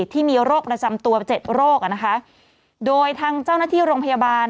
ที่มีโรคประจำตัวเจ็ดโรคอ่ะนะคะโดยทางเจ้าหน้าที่โรงพยาบาล